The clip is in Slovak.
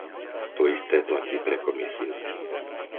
To isté platí pre Komisiu.